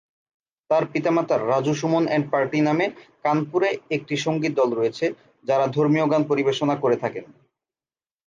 তার পিতামাতার "Raju Suman and party" নামে কানপুরে একটি সঙ্গীত দল রয়েছে, যারা ধর্মীয় গান পরিবেশনা করে থাকেন।